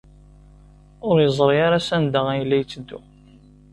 Ur yeẓri ara sanda ay la yetteddu.